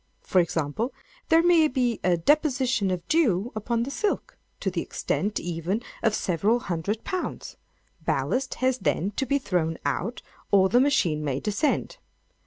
For example, there may be a deposition of dew upon the silk, to the extent, even, of several hundred pounds; ballast has then to be thrown out, or the machine may descend.